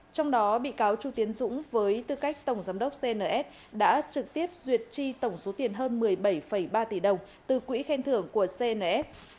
trong đó bị cáo chu tiến dũng với tư cách tổng giám đốc cns đã trực tiếp duyệt chi tổng số tiền hơn một mươi bảy ba tỷ đồng từ quỹ khen thưởng của cns